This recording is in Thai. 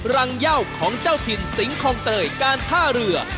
เย่าของเจ้าถิ่นสิงคลองเตยการท่าเรือ